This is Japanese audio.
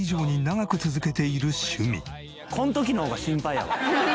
「この時の方が心配やわ」